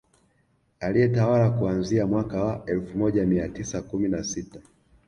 Aliyetawala kuanzia mwaka wa elfu moja mia tisa kumi na sita